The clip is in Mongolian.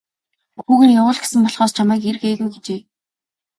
Хүүгээ явуул гэсэн болохоос чамайг ир гээгүй гэжээ.